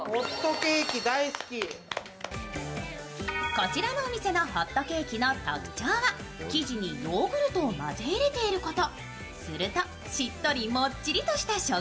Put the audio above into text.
こちらのお店のホットケーキの特徴は生地にヨーグルトを混ぜ入れていること。